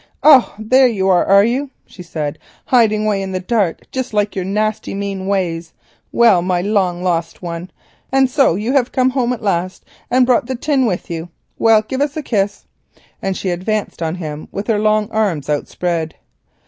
"Oh, there you are, are you?" she said, "hiding away in the dark—just like your nasty mean ways. Well, my long lost one, so you have come home at last, and brought the tin with you. Well, give us a kiss," and she advanced on him with her long arms outspread.